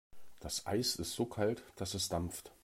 Das Eis ist so kalt, dass es dampft.